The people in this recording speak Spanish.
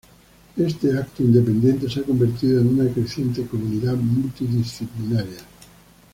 Este evento independiente se ha convertido en una creciente comunidad multidisciplinaria.